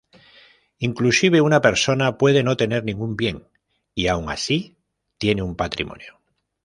Inclusive, una persona puede no tener ningún bien, y aun así, tiene un patrimonio.